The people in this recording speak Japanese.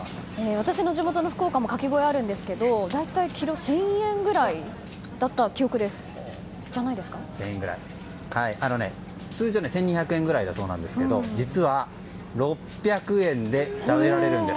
私の地元の福岡にもカキ小屋があるんですけど大体キロ１０００円くらいだった通常１２００円ぐらいだそうですが実は６００円で食べられるんです。